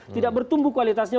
tidak bertumbuh kualitasnya